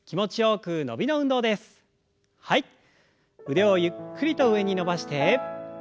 腕をゆっくりと上に伸ばして。